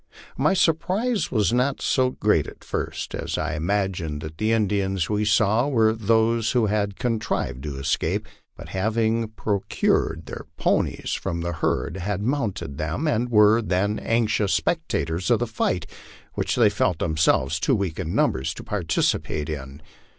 My surprise was not so great at first, as I imagined that the Indians we saw were those who had contrived to escape, and having procured their ponies from the herd had mounted them and were then anxious specta tors of the fight, which they felt themselves too weak in numbers to participate in.